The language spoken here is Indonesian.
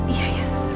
iya iya suster